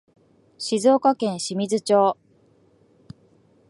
静岡県清水町